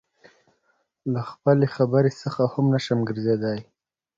له خپلې خبرې څخه هم نشوى ګرځېدى.